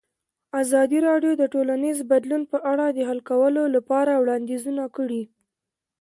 ازادي راډیو د ټولنیز بدلون په اړه د حل کولو لپاره وړاندیزونه کړي.